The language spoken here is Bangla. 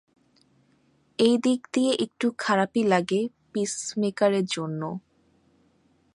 এই দিক দিয়ে একটু খারাপই লাগে পিসমেকারের জন্য।